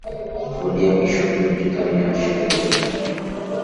বলিয়া ঈষৎ লজ্জিত হইয়া হাসিতে লাগিলেন।